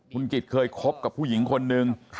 คุณกิจเคยคบกับผู้หญิงคนนึง